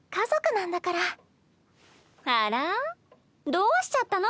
どうしちゃったの？